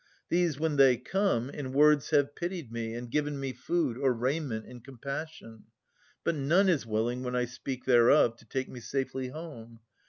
These, when they come, in words have pitied me, And given me food, or raiment, in compassion. But none is willing, when I speak thereof, To take me safely home.